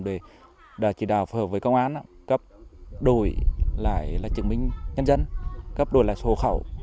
để chỉ đào phù hợp với công an gấp đổi lại truyền binh nhân dân gấp đổi lại số khẩu